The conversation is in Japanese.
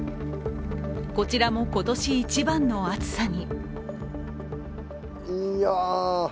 こちらも今年一番の暑さに。